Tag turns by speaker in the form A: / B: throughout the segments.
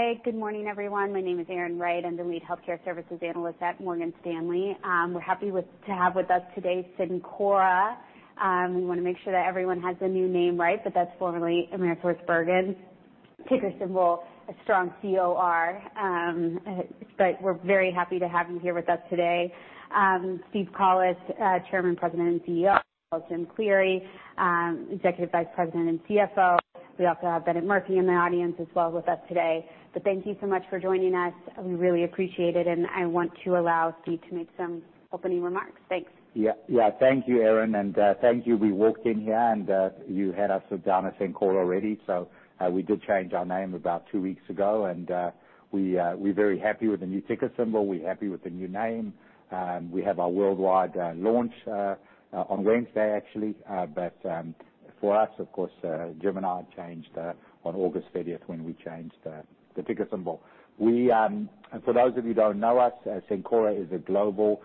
A: Hi, good morning, everyone. My name is Erin Wright. I'm the Lead Healthcare Services Analyst at Morgan Stanley. We're happy to have with us today, Cencora. We wanna make sure that everyone has the new name right, but that's formerly AmerisourceBergen, ticker symbol COR. But we're very happy to have you here with us today. Steve Collis, Chairman, President, and CEO; Jim Cleary, Executive Vice President and CFO. We also have Bennett Murphy in the audience as well with us today. But thank you so much for joining us. We really appreciate it, and I want to allow Steve to make some opening remarks. Thanks.
B: Yeah. Yeah, thank you, Erin, and thank you. We walked in here, and you had us down as Cencora already. So, we did change our name about two weeks ago, and we're very happy with the new ticker symbol. We're happy with the new name. We have our worldwide launch on Wednesday, actually. But, for us, of course, Cencora changed on August 30 when we changed the ticker symbol. We, for those of you who don't know us, Cencora is a global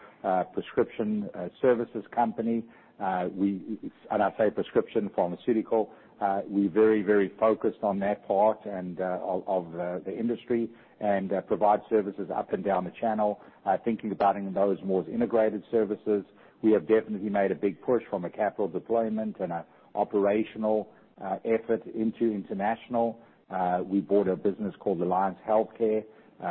B: prescription services company. We, and I say prescription pharmaceutical, we're very, very focused on that part and of the industry, and provide services up and down the channel, thinking about those more as integrated services. We have definitely made a big push from a capital deployment and a operational effort into international. We bought a business called Alliance Healthcare,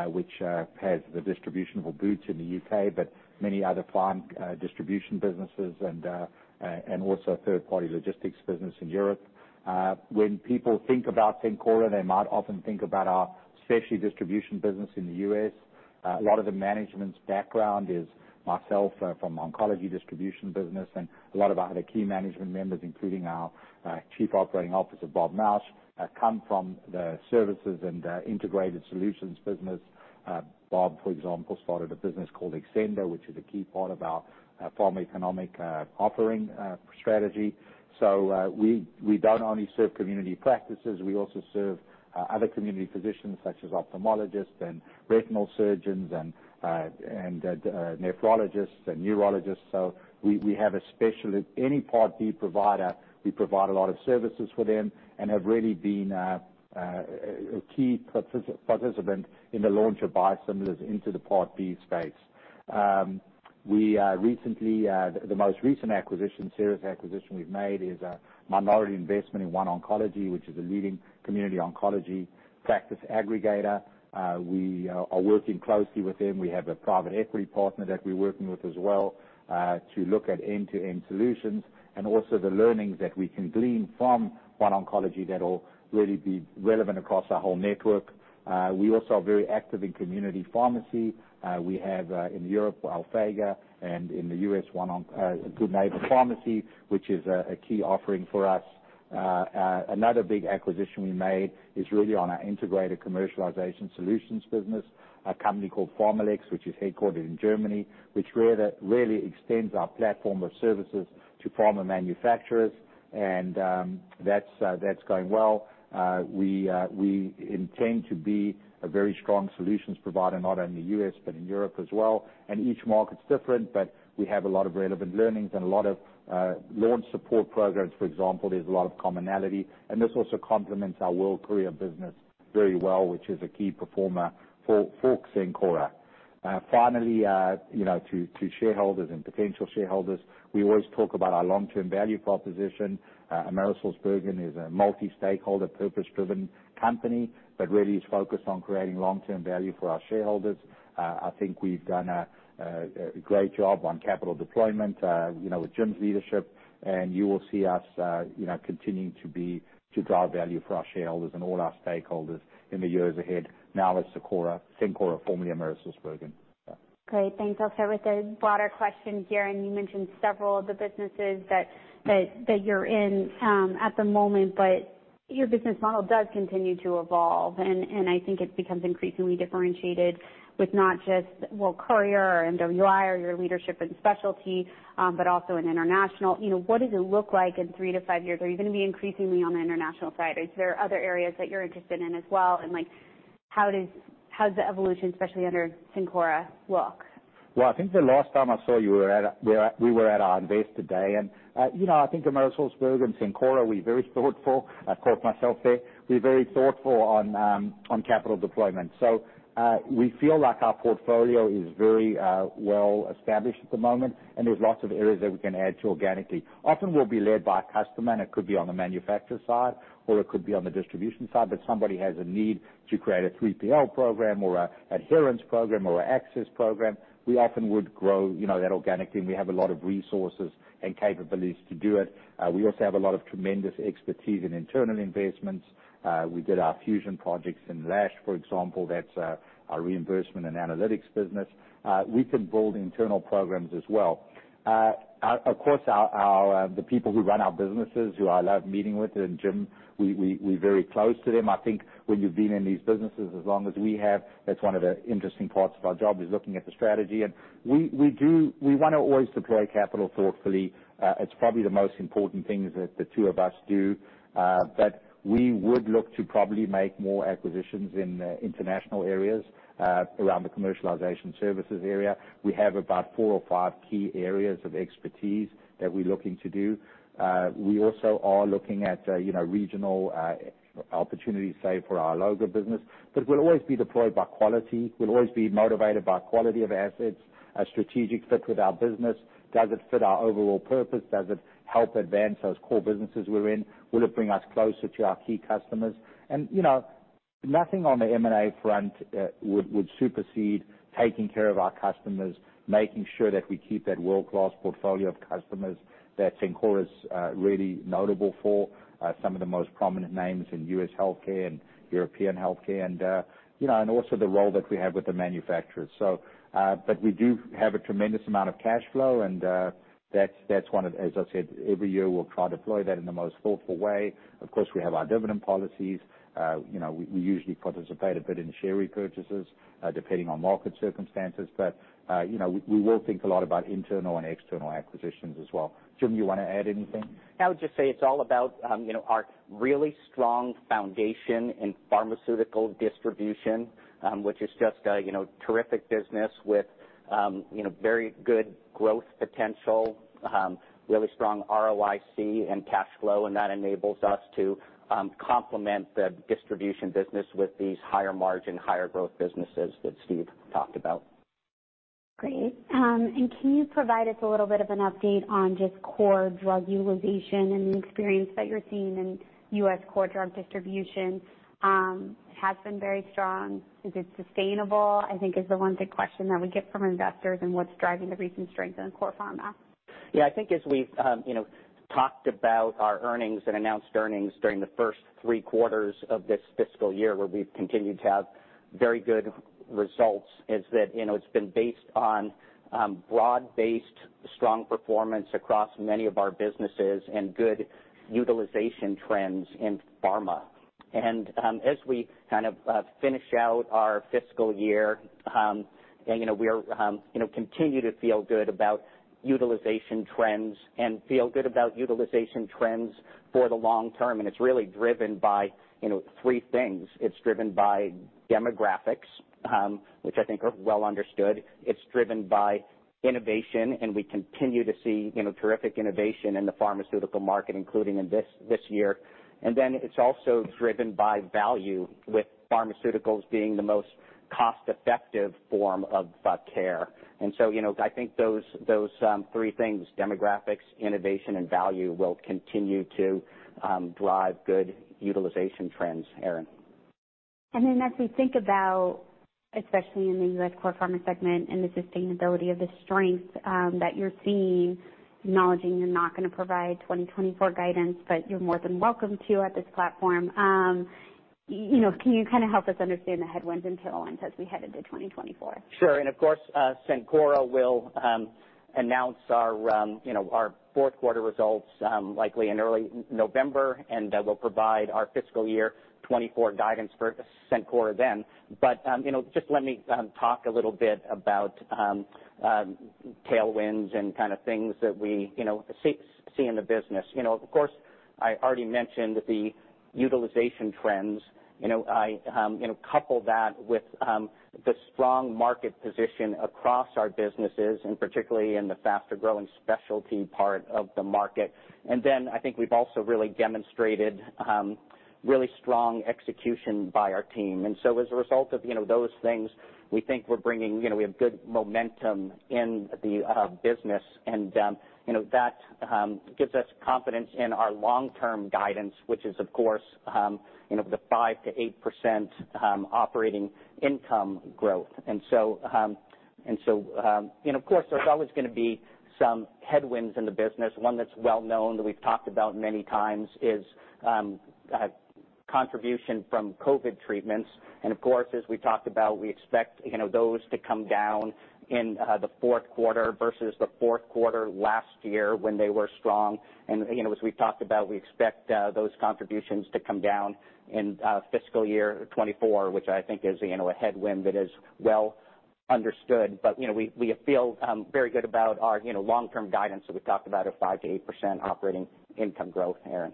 B: which has the distribution for Boots in the U.K., but many other pharma distribution businesses and also a third-party logistics business in Europe. When people think about Cencora, they might often think about our specialty distribution business in the U.S. A lot of the management's background is myself from oncology distribution business, and a lot of our other key management members, including our Chief Operating Officer, Bob Mauch, come from the services and integrated solutions business. Bob, for example, started a business called Xcenda, which is a key part of our pharmacoeconomic offering strategy. So, we don't only serve community practices, we also serve other community physicians, such as ophthalmologists and retinal surgeons and nephrologists and neurologists. So we have a specialist. Any Part D provider, we provide a lot of services for them and have really been a key participant in the launch of biosimilars into the Part B space. We recently, the most recent acquisition, serious acquisition we've made is a minority investment in OneOncology, which is a leading community oncology practice aggregator. We are working closely with them. We have a private equity partner that we're working with as well to look at end-to-end solutions and also the learnings that we can glean from OneOncology that will really be relevant across our whole network. We also are very active in community pharmacy. We have, in Europe, Alphega, and in the US, OneOncology—Good Neighbor Pharmacy, which is a key offering for us. Another big acquisition we made is really on our integrated commercialization solutions business, a company called PharmaLex, which is headquartered in Germany, which rather really extends our platform of services to pharma manufacturers, and that's going well. We intend to be a very strong solutions provider, not only in the U.S., but in Europe as well. Each market's different, but we have a lot of relevant learnings and a lot of launch support programs, for example. There's a lot of commonality, and this also complements our World Courier business very well, which is a key performer for Cencora. Finally, you know, to shareholders and potential shareholders, we always talk about our long-term value proposition. AmerisourceBergen is a multi-stakeholder, purpose-driven company, but really is focused on creating long-term value for our shareholders. I think we've done a great job on capital deployment, you know, with Jim's leadership, and you will see us, you know, continuing, to be, to drive value for our shareholders and all our stakeholders in the years ahead. Now, as Cencora, Cencora, formerly AmerisourceBergen.
A: Great, thanks. I'll start with a broader question here, and you mentioned several of the businesses that you're in at the moment, but your business model does continue to evolve, and I think it becomes increasingly differentiated with not just World Courier or MWI or your leadership and specialty, but also in international. You know, what does it look like in 3-5 years? Are you gonna be increasing emphasis on the international side, or is there other areas that you're interested in as well? And, like, how does the evolution, especially under Cencora, look?
B: Well, I think the last time I saw you were at our Investor Day, and, you know, I think AmerisourceBergen, Cencora, we're very thoughtful. Of course, myself there. We're very thoughtful on, on capital deployment. So, we feel like our portfolio is very, well established at the moment, and there's lots of areas that we can add to organically. Often we'll be led by a customer, and it could be on the manufacturer side, or it could be on the distribution side, but somebody has a need to create a 3PL program or an adherence program or an access program. We often would grow, you know, that organically, and we have a lot of resources and capabilities to do it. We also have a lot of tremendous expertise in internal investments. We did our fusion projects in Lash, for example. That's our reimbursement and analytics business. We can build internal programs as well. Of course, the people who run our businesses, who I love meeting with, and Jim, we're very close to them. I think when you've been in these businesses as long as we have, that's one of the interesting parts of our job, is looking at the strategy. And we do. We wanna always deploy capital thoughtfully. It's probably the most important things that the two of us do, but we would look to probably make more acquisitions in international areas, around the commercialization services area. We have about four or five key areas of expertise that we're looking to do. We also are looking at, you know, regional opportunities, say, for our Alloga business, but we'll always be deployed by quality. We'll always be motivated by quality of assets, a strategic fit with our business. Does it fit our overall purpose? Does it help advance those core businesses we're in? Will it bring us closer to our key customers? And, you know, nothing on the M&A front would supersede taking care of our customers, making sure that we keep that world-class portfolio of customers that Cencora is really notable for. Some of the most prominent names in U.S. healthcare and European healthcare, and, you know, and also the role that we have with the manufacturers. But we do have a tremendous amount of cash flow, and, that's one of—as I said, every year, we'll try to deploy that in the most thoughtful way. Of course, we have our dividend policies. You know, we usually participate a bit in share repurchases, depending on market circumstances. But, you know, we will think a lot about internal and external acquisitions as well. Jim, you wanna add anything?
C: I would just say it's all about, you know, our really strong foundation in pharmaceutical distribution, which is just a, you know, terrific business with, you know, very good growth potential, really strong ROIC and cash flow, and that enables us to, complement the distribution business with these higher margin, higher growth businesses that Steve talked about.
A: Great. And can you provide us a little bit of an update on just core drug utilization and the experience that you're seeing in U.S. core drug distribution, has been very strong. Is it sustainable? I think is the one big question that we get from investors, and what's driving the recent strength in core pharma.
C: Yeah, I think as we've, you know, talked about our earnings and announced earnings during the first three quarters of this fiscal year, where we've continued to have very good results, is that, you know, it's been based on, broad-based, strong performance across many of our businesses and good utilization trends in pharma. And, as we kind of, finish out our fiscal year, and, you know, we're, you know, continue to feel good about utilization trends and feel good about utilization trends for the long term, and it's really driven by, you know, three things. It's driven by demographics, which I think are well understood. It's driven by innovation, and we continue to see, you know, terrific innovation in the pharmaceutical market, including in this, this year. Then it's also driven by value, with pharmaceuticals being the most cost-effective form of care. So, you know, I think those three things, demographics, innovation, and value, will continue to drive good utilization trends, Erin.
A: Then as we think about, especially in the U.S. core pharma segment and the sustainability of the strength, that you're seeing, acknowledging you're not gonna provide 2024 guidance, but you're more than welcome to at this platform, you know, can you kinda help us understand the headwinds and tailwinds as we head into 2024?
C: Sure. Of course, Cencora will announce our, you know, our fourth quarter results, likely in early November, and we'll provide our fiscal year 2024 guidance for Cencora then. You know, just let me talk a little bit about tailwinds and kind of things that we, you know, see in the business. You know, of course, I already mentioned the utilization trends. You know, I you know, couple that with the strong market position across our businesses, and particularly in the faster-growing specialty part of the market. And then I think we've also really demonstrated really strong execution by our team. And so as a result of, you know, those things, we think we're bringing, you know, we have good momentum in the business, and, you know, that gives us confidence in our long-term guidance, which is, of course, you know, the 5%-8% operating income growth. And so, of course, there's always gonna be some headwinds in the business. One that's well known, that we've talked about many times, is contribution from COVID treatments. And of course, as we talked about, we expect, you know, those to come down in the fourth quarter versus the fourth quarter last year when they were strong. And, you know, as we've talked about, we expect those contributions to come down in fiscal year 2024, which I think is, you know, a headwind that is well understood. You know, we feel very good about our long-term guidance that we've talked about, a 5%-8% operating income growth, Erin.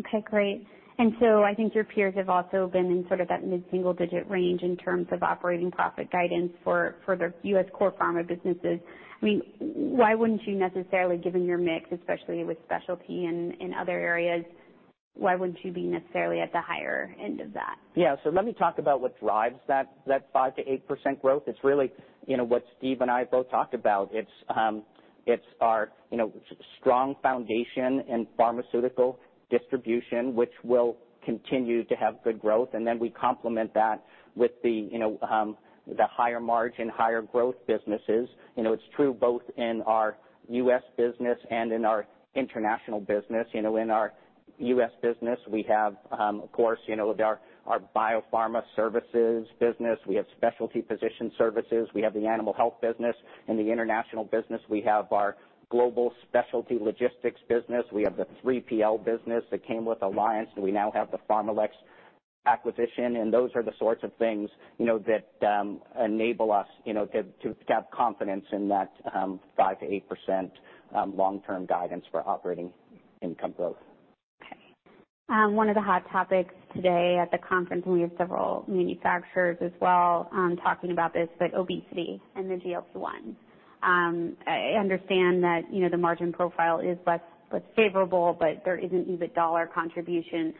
A: Okay, great. And so I think your peers have also been in sort of that mid-single-digit range in terms of operating profit guidance for the U.S. core pharma businesses. I mean, why wouldn't you necessarily, given your mix, especially with specialty and, and other areas, why wouldn't you be necessarily at the higher end of that?
C: Yeah, so let me talk about what drives that, that 5%-8% growth. It's really, you know, what Steve and I both talked about. It's, it's our, you know, strong foundation in pharmaceutical distribution, which will continue to have good growth, and then we complement that with the, you know, the higher margin, higher growth businesses. You know, it's true both in our U.S. business and in our international business. You know, in our U.S. business, we have, of course, you know, our, our biopharma services business, we have specialty physician services, we have the Animal Health business. In the international business, we have our global specialty logistics business, we have the 3PL business that came with Alliance, and we now have the PharmaLex acquisition. Those are the sorts of things, you know, that enable us, you know, to have confidence in that 5%-8% long-term guidance for operating income growth.
A: Okay. One of the hot topics today at the conference, and we have several manufacturers as well, talking about this, but obesity and the GLP-1. I understand that, you know, the margin profile is less favorable, but there is an EBIT dollar contribution,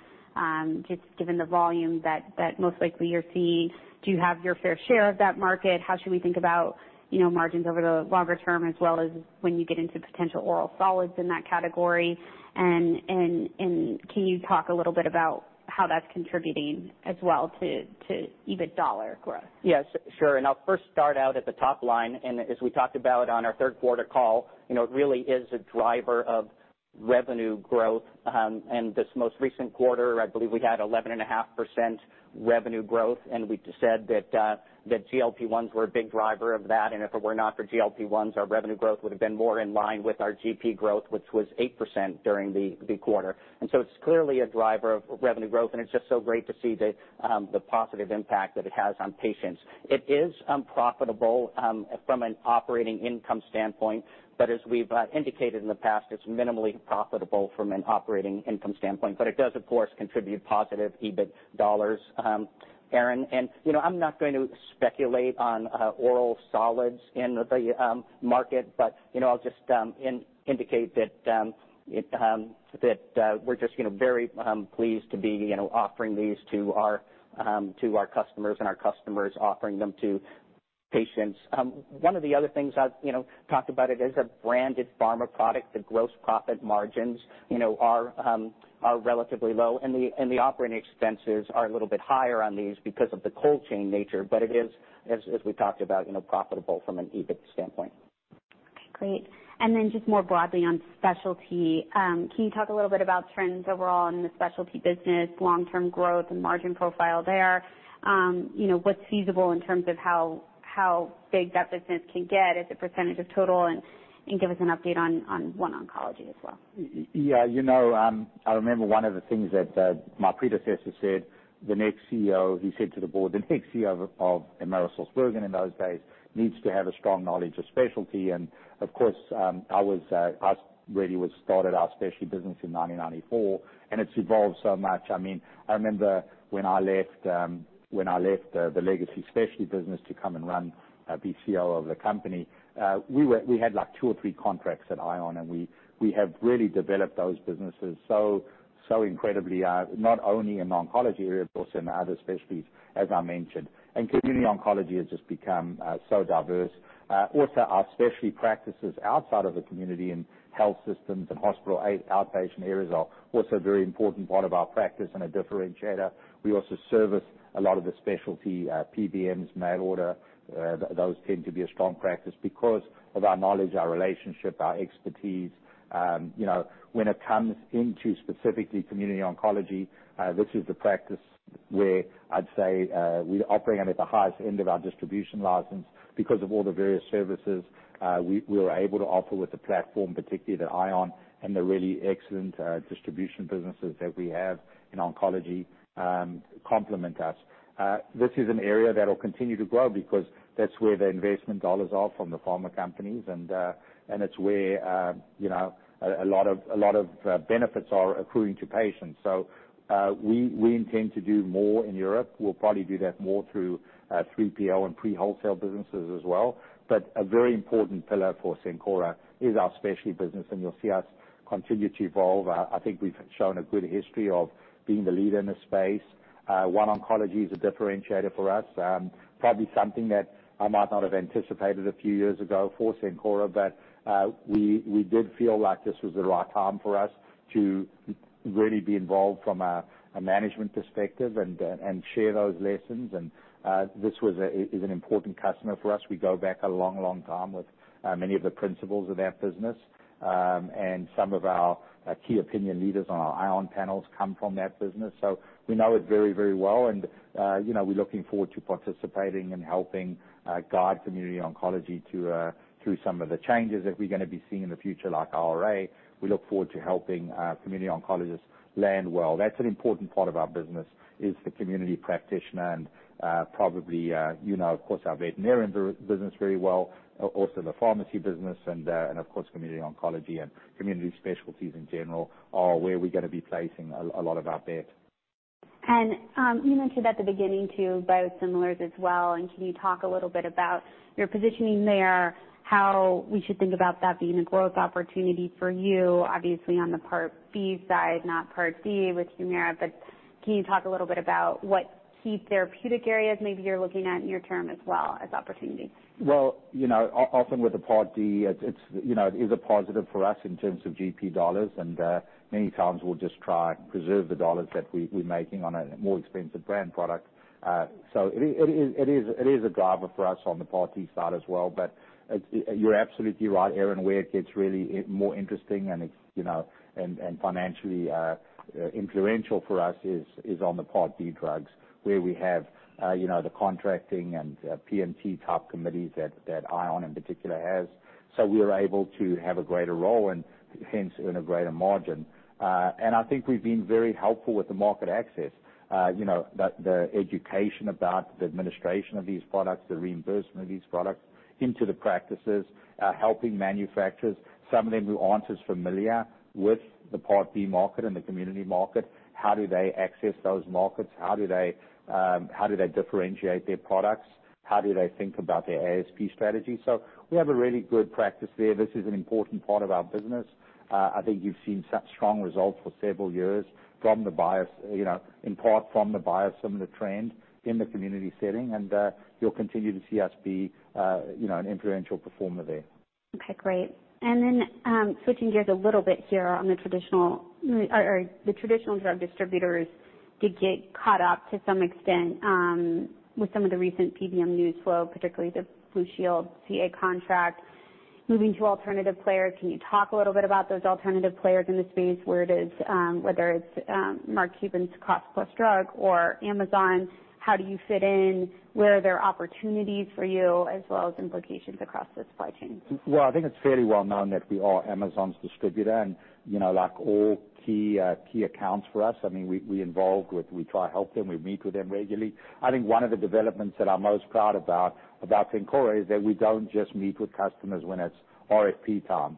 A: just given the volume that most likely you're seeing. Do you have your fair share of that market? How should we think about, you know, margins over the longer term, as well as when you get into potential oral solids in that category? And can you talk a little bit about how that's contributing as well to EBIT dollar growth?
C: Yes, sure. I'll first start out at the top line, and as we talked about on our third quarter call, you know, it really is a driver of revenue growth. And this most recent quarter, I believe we had 11.5% revenue growth, and we said that that GLP-1s were a big driver of that, and if it were not for GLP-1s, our revenue growth would've been more in line with our GP growth, which was 8% during the quarter. So it's clearly a driver of revenue growth, and it's just so great to see the positive impact that it has on patients. It is unprofitable from an operating income standpoint, but as we've indicated in the past, it's minimally profitable from an operating income standpoint, but it does, of course, contribute positive EBIT dollars. Erin, you know, I'm not going to speculate on oral solids in the market, but, you know, I'll just indicate that that we're just, you know, very pleased to be, you know, offering these to our to our customers and our customers offering them to patients. One of the other things I've, you know, talked about, it is a branded pharma product. The gross profit margins, you know, are relatively low, and the operating expenses are a little bit higher on these because of the cold chain nature, but it is, as we talked about, you know, profitable from an EBIT standpoint.
A: Okay, great. And then just more broadly on specialty, can you talk a little bit about trends overall in the specialty business, long-term growth and margin profile there? You know, what's feasible in terms of how, how big that business can get as a percentage of total, and, and give us an update on, on OneOncology as well?
B: Yeah, you know, I remember one of the things that, my predecessor said, "The next CEO," he said to the board, "The next CEO of AmerisourceBergen in those days needs to have a strong knowledge of specialty." And, of course, I was, I really was started our specialty business in 1994, and it's evolved so much. I mean, I remember when I left, when I left, the legacy specialty business to come and run, be CEO of the company, we had, like, two or three contracts at ION, and we have really developed those businesses so incredibly, not only in the oncology area, but also in the other specialties, as I mentioned. And community oncology has just become, so diverse. Also, our specialty practices outside of the community and health systems and hospital outpatient areas are also a very important part of our practice and a differentiator. We also service a lot of the specialty, PBMs, mail order, those tend to be a strong practice because of our knowledge, our relationship, our expertise. You know, when it comes into specifically community oncology, this is the practice where I'd say, we operate them at the highest end of our distribution license, because of all the various services, we were able to offer with the platform, particularly the ION and the really excellent, distribution businesses that we have in oncology, complement us. This is an area that will continue to grow because that's where the investment dollars are from the pharma companies, and it's where, you know, a lot of benefits are accruing to patients. So, we, we intend to do more in Europe. We'll probably do that more through, 3PL and pre-wholesale businesses as well, but a very important pillar for Cencora is our specialty business, and you'll see us continue to evolve. I think we've shown a good history of being the leader in this space. OneOncology is a differentiator for us, probably something that I might not have anticipated a few years ago for Cencora, but, we, we did feel like this was the right time for us to really be involved from a, a management perspective and share those lessons. This was a, is an important customer for us. We go back a long, long time with, many of the principals of that business, and some of our, key opinion leaders on our ION panels come from that business. So we know it very, very well, and, you know, we're looking forward to participating and helping, guide community oncology to, through some of the changes that we're gonna be seeing in the future, like IRA. We look forward to helping, community oncologists land well. That's an important part of our business, is the community practitioner, and, probably, you know, of course, our veterinarian business very well, also the pharmacy business, and, and of course, community oncology and community specialties in general are where we're gonna be placing a, a lot of our bet.
A: You mentioned at the beginning, too, biosimilars as well, and can you talk a little bit about your positioning there, how we should think about that being a growth opportunity for you, obviously on the Part B side, not Part D with Humira. But can you talk a little bit about what key therapeutic areas maybe you're looking at near term as well as opportunity?
B: Well, you know, often with the Part D, it's, it's, you know, it is a positive for us in terms of GP dollars, and many times we'll just try to preserve the dollars that we're making on a more expensive brand product. So it is, it is a driver for us on the Part D side as well, but, it, you're absolutely right, Erin. Where it gets really more interesting and it's, you know, and financially influential for us is on the Part D drugs, where we have, you know, the contracting and PBT-type committees that ION in particular has. So we're able to have a greater role and hence earn a greater margin. And I think we've been very helpful with the market access. You know, the education about the administration of these products, the reimbursement of these products into the practices, helping manufacturers, some of them who aren't as familiar with the Part D market and the community market, how do they access those markets? How do they differentiate their products? How do they think about their ASP strategy? So we have a really good practice there. This is an important part of our business. I think you've seen such strong results for several years from the buyers, you know, in part from the buyers, some of the trends in the community setting, and you'll continue to see us be, you know, an influential performer there.
A: Okay, great. And then, switching gears a little bit here on the traditional or the traditional drug distributors did get caught up to some extent with some of the recent PBM news flow, particularly the Blue Shield of California contract. Moving to alternative players, can you talk a little bit about those alternative players in the space, where it is, whether it's Mark Cuban's Cost Plus Drug or Amazon? How do you fit in? Where are there opportunities for you as well as implications across the supply chain?
B: Well, I think it's fairly well known that we are Amazon's distributor and, you know, we like all key accounts for us, I mean, we're involved with, we try to help them, we meet with them regularly. I think one of the developments that I'm most proud about, about Cencora is that we don't just meet with customers when it's RFP time.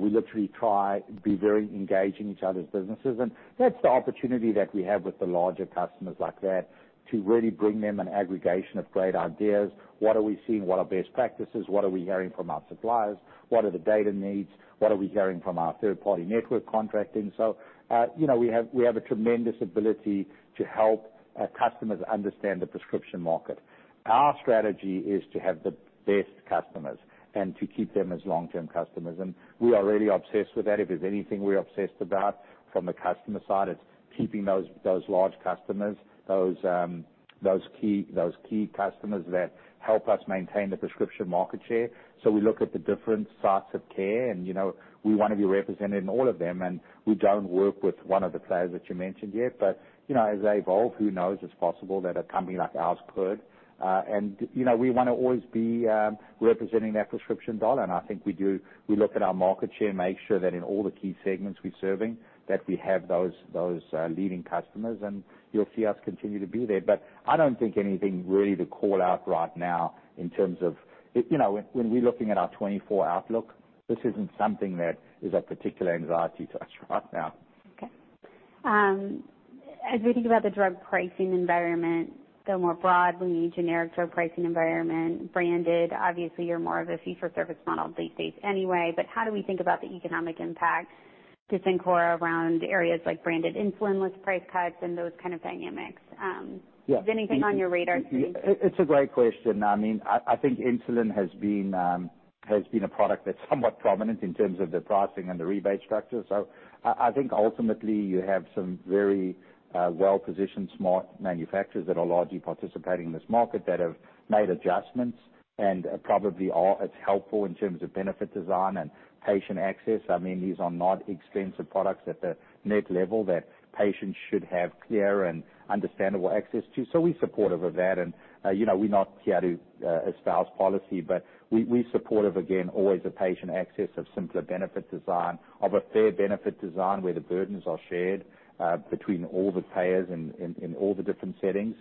B: We literally try to be very engaged in each other's businesses, and that's the opportunity that we have with the larger customers like that, to really bring them an aggregation of great ideas. What are we seeing? What are best practices? What are we hearing from our suppliers? What are the data needs? What are we hearing from our third-party network contracting? So, you know, we have a tremendous ability to help customers understand the prescription market. Our strategy is to have the best customers and to keep them as long-term customers, and we are really obsessed with that. If there's anything we're obsessed about from the customer side, it's keeping those large customers, those key customers that help us maintain the prescription market share. So we look at the different sites of care, and, you know, we wanna be represented in all of them, and we don't work with one of the players that you mentioned yet, but, you know, as they evolve, who knows? It's possible that a company like ours could. And, you know, we wanna always be representing that prescription dollar, and I think we do. We look at our market share, make sure that in all the key segments we're serving, that we have those leading customers, and you'll see us continue to be there. But I don't think anything really to call out right now in terms of, you know. When we're looking at our 2024 outlook, this isn't something that is a particular anxiety to us right now.
A: Okay. As we think about the drug pricing environment, though, more broadly, generic drug pricing environment, branded, obviously you're more of a fee-for-service model these days anyway, but how do we think about the economic impact to Cencora around areas like branded insulin with price cuts and those kind of dynamics?
B: Yeah.
A: Is anything on your radar screen?
B: It's a great question. I mean, I, I think insulin has been a product that's somewhat prominent in terms of the pricing and the rebate structure. So I, I think ultimately you have some very well-positioned, smart manufacturers that are largely participating in this market that have made adjustments and probably are. It's helpful in terms of benefit design and patient access. I mean, these are not expensive products at the net level that patients should have clear and understandable access to, so we're supportive of that. And you know, we're not here to espouse policy, but we, we're supportive, again, always of patient access, of simpler benefit design, of a fair benefit design, where the burdens are shared between all the payers in, in, in all the different settings.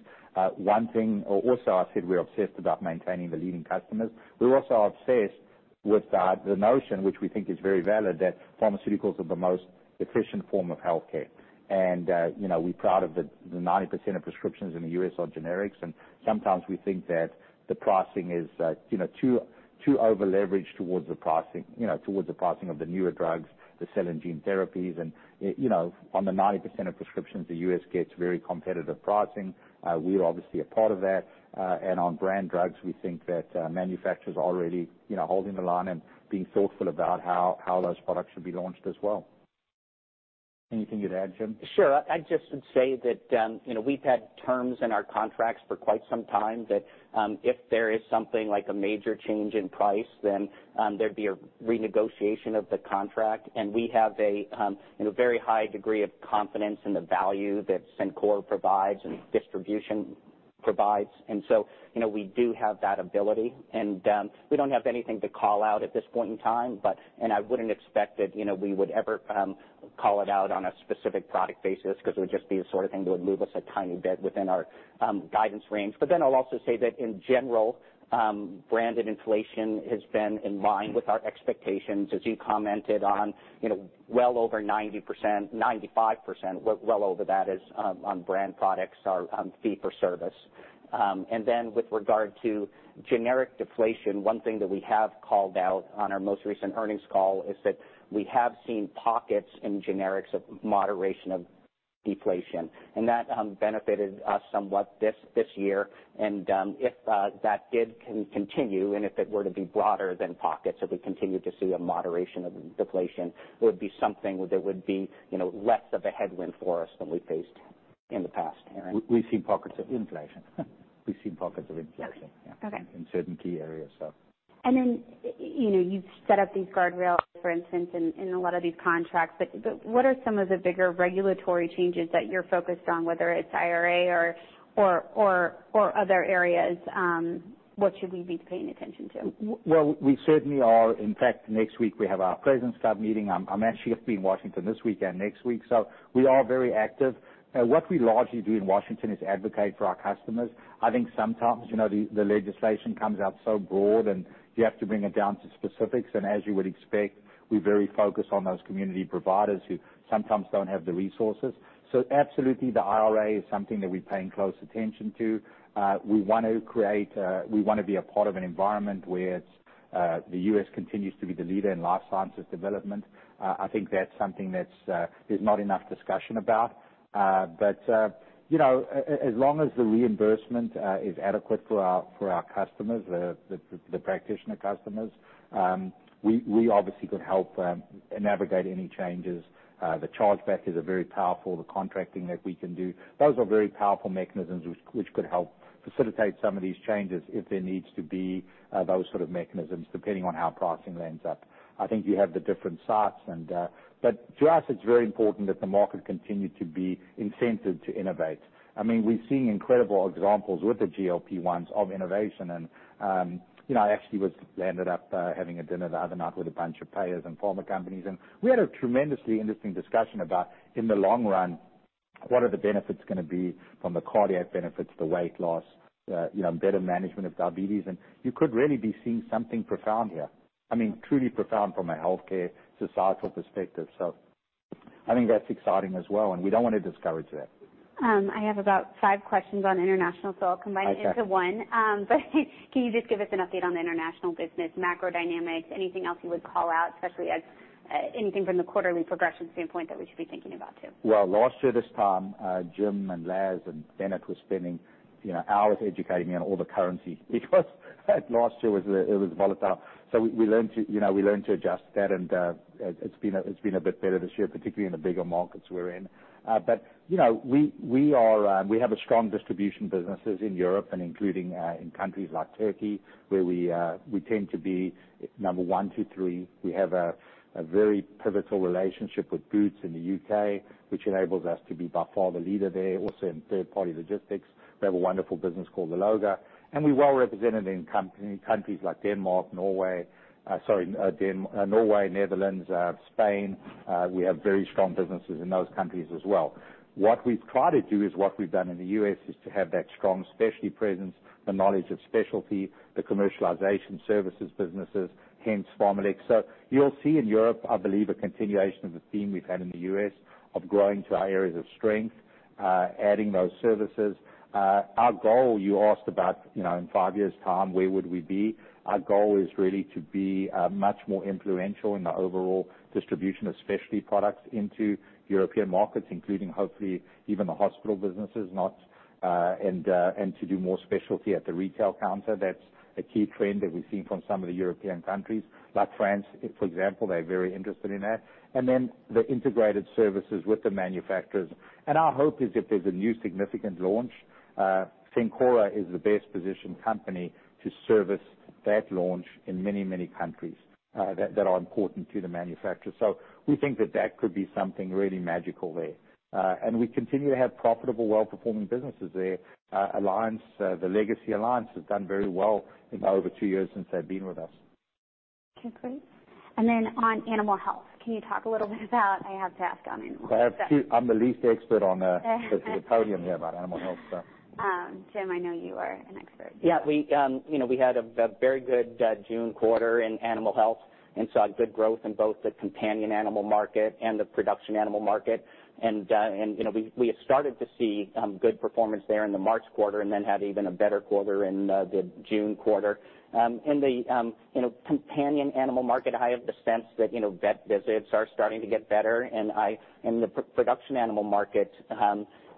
B: One thing... Oh, also I said we're obsessed about maintaining the leading customers. We're also obsessed with the notion, which we think is very valid, that pharmaceuticals are the most efficient form of healthcare. And, you know, we're proud of the 90% of prescriptions in the U.S. are generics, and sometimes we think that the pricing is, you know, too over-leveraged towards the pricing, you know, towards the pricing of the newer drugs, the cell and gene therapies. And, you know, on the 90% of prescriptions, the U.S. gets very competitive pricing. We're obviously a part of that. And on brand drugs, we think that manufacturers are already, you know, holding the line and being thoughtful about how those products should be launched as well. Anything you'd add, Jim?
C: Sure. I just would say that, you know, we've had terms in our contracts for quite some time, that, if there is something like a major change in price, then, there'd be a renegotiation of the contract. And we have a, you know, very high degree of confidence in the value that Cencora provides and distribution provides. And so, you know, we do have that ability, and, we don't have anything to call out at this point in time, but, and I wouldn't expect that, you know, we would ever, call it out on a specific product basis, 'cause it would just be the sort of thing that would move us a tiny bit within our, guidance range. But then I'll also say that in general, branded inflation has been in line with our expectations. As you commented on, you know, well over 90%, 95%, well, well over that is on brand products are fee-for-service. And then with regard to generic deflation, one thing that we have called out on our most recent earnings call is that we have seen pockets in generics of moderation of deflation, and that benefited us somewhat this year. And if that did continue, and if it were to be broader than pockets, if we continued to see a moderation of deflation, it would be something that would be, you know, less of a headwind for us than we faced in the past year.
B: We've seen pockets of inflation.
A: Yeah. Okay.
B: In certain key areas, so.
A: And then, you know, you've set up these guardrails, for instance, in a lot of these contracts, but what are some of the bigger regulatory changes that you're focused on, whether it's IRA or other areas, what should we be paying attention to?
B: Well, we certainly are. In fact, next week we have our Presidents' Club meeting. I'm actually gonna be in Washington this week and next week, so we are very active. What we largely do in Washington is advocate for our customers. I think sometimes, you know, the legislation comes out so broad, and you have to bring it down to specifics. And as you would expect, we're very focused on those community providers who sometimes don't have the resources. So absolutely, the IRA is something that we're paying close attention to. We want to create, we wanna be a part of an environment where the U.S. continues to be the leader in life sciences development. I think that's something that's, there's not enough discussion about. But you know, as long as the reimbursement is adequate for our customers, the practitioner customers, we obviously could help navigate any changes. The chargebacks are very powerful, the contracting that we can do. Those are very powerful mechanisms which could help facilitate some of these changes if there needs to be those sort of mechanisms, depending on how pricing ends up. I think you have the different sides and, but to us, it's very important that the market continue to be incented to innovate. I mean, we've seen incredible examples with the GLP-1s of innovation, and, you know, I actually, was, ended up, having a dinner the other night with a bunch of payers and pharma companies, and we had a tremendously interesting discussion about, in the long run, what are the benefits gonna be from the cardiac benefits, the weight loss, you know, better management of diabetes? And you could really be seeing something profound here. I mean, truly profound from a healthcare societal perspective. So I think that's exciting as well, and we don't want to discourage that.
A: I have about five questions on international, so I'll combine it into one.
B: Okay.
A: But can you just give us an update on the international business, macro dynamics, anything else you would call out, especially as, anything from the quarterly progression standpoint that we should be thinking about, too?
B: Well, last year, this time, Jim and Laz and Bennett were spending, you know, hours educating me on all the currencies, because last year was, it was volatile. So we learned to, you know, we learned to adjust to that, and, it, it's been a bit better this year, particularly in the bigger markets we're in. But, you know, we have a strong distribution businesses in Europe and including, in countries like Turkey, where we tend to be number 1, 2, 3. We have a very pivotal relationship with Boots in the UK, which enables us to be, by far, the leader there. Also, in third-party logistics, we have a wonderful business called Alloga, and we're well represented in countries like Norway, Netherlands, Spain. We have very strong businesses in those countries as well. What we've tried to do is what we've done in the U.S., is to have that strong specialty presence, the knowledge of specialty, the commercialization services businesses, hence, PharmaLex. So you'll see in Europe, I believe, a continuation of the theme we've had in the U.S. of growing to our areas of strength, adding those services. Our goal, you asked about, you know, in five years' time, where would we be? Our goal is really to be much more influential in the overall distribution of specialty products into European markets, including hopefully even the hospital businesses, not, and to do more specialty at the retail counter. That's a key trend that we've seen from some of the European countries, like France, for example. They're very interested in that. And then the integrated services with the manufacturers. And our hope is, if there's a new significant launch, Cencora is the best-positioned company to service that launch in many, many countries, that, that are important to the manufacturer. So we think that that could be something really magical there. And we continue to have profitable, well-performing businesses there. Alliance, the legacy Alliance, has done very well in the over two years since they've been with us.
A: Okay, great. And then, on Animal Health, can you talk a little bit about? I have to ask on Animal Health, so.
B: I'm the least expert on the podium here about Animal Health, so.
A: Jim, I know you are an expert.
C: Yeah, we, you know, we had a very good June quarter in Animal Health and saw good growth in both the companion animal market and the production animal market. And, you know, we had started to see good performance there in the March quarter, and then had even a better quarter in the June quarter. In the companion animal market, I have the sense that, you know, vet visits are starting to get better, and I, in the production animal market,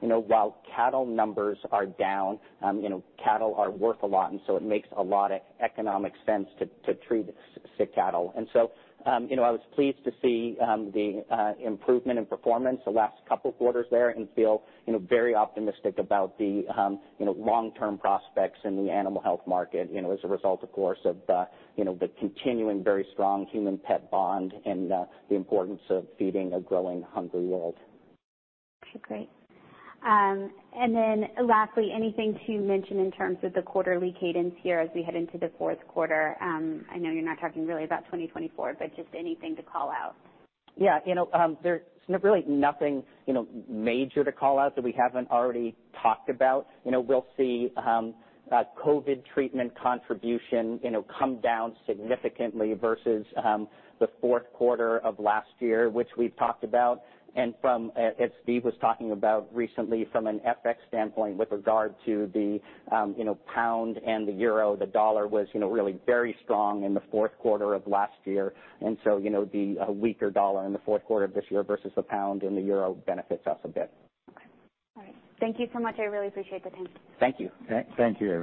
C: you know, while cattle numbers are down, you know, cattle are worth a lot, and so it makes a lot of economic sense to treat sick cattle. I was pleased to see the improvement in performance the last couple of quarters there and feel, you know, very optimistic about the, you know, long-term prospects in the animal health market, you know, as a result, of course, of the, you know, the continuing very strong human-pet bond and the importance of feeding a growing, hungry world.
A: Okay, great. Lastly, anything to mention in terms of the quarterly cadence here as we head into the fourth quarter? I know you're not talking really about 2024, but just anything to call out.
C: Yeah, you know, there's really nothing, you know, major to call out that we haven't already talked about. You know, we'll see COVID treatment contribution, you know, come down significantly versus the fourth quarter of last year, which we've talked about. And from, as Steve was talking about recently, from an FX standpoint, with regard to the, you know, pound and the euro, the dollar was, you know, really very strong in the fourth quarter of last year. And so, you know, the weaker dollar in the fourth quarter of this year versus the pound and the euro benefits us a bit.
A: Okay. All right. Thank you so much. I really appreciate the time.
C: Thank you.
B: Thank you, Erin.